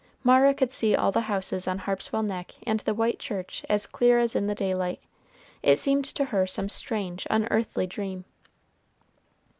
Mara could see all the houses on Harpswell Neck and the white church as clear as in the daylight. It seemed to her some strange, unearthly dream.